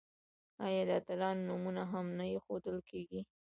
آیا د اتلانو نومونه هم نه ایښودل کیږي؟